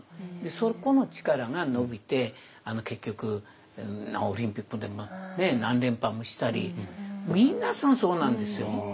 そこの力が伸びて結局オリンピックでも何連覇もしたり皆さんそうなんですよ。